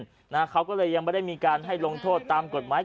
นะฮะเขาก็เลยยังไม่ได้มีการให้ลงโทษตามกฎหมาย